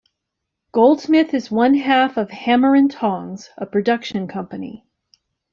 Goldsmith is one half of "Hammer and Tongs", a production company.